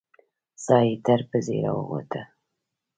ساه يې تر پزې راووته.